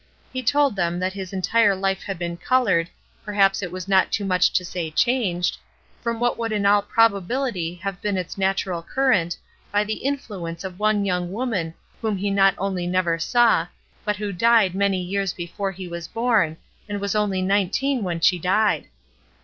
He told them that his entire life had been colored, perhaps it was not too much to say changed, from what would in all probability have been its natural current by the influence of one young woman whom he not only never saw, but who died many years before he was born, and was only nineteen when she died.